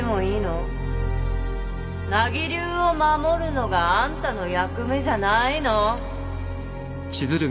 名木流を守るのがあんたの役目じゃないの？